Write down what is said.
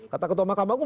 kata ketua makam agung